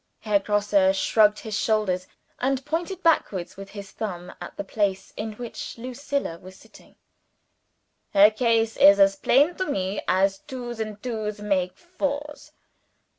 Herr Grosse shrugged his shoulders, and pointed backwards with his thumb at the place in which Lucilla was sitting. "Her case is as plain to me as twos and twos make fours.